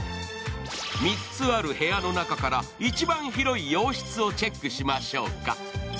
３つある部屋の中から一番広い洋室をチェックしましょうか。